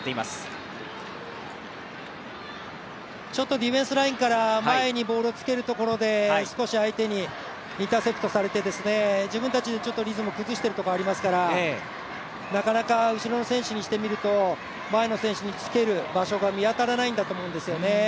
ディフェンスラインから前にボールをつけるところで少し相手にインターセプトされて自分たちでリズムを崩しているところがありますから、なかなか後ろの選手にしてみると、前の選手につける場所が見当たらないんだと思うんですよね。